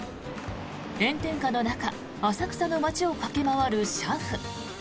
炎天下の中浅草の街を駆け回る車夫。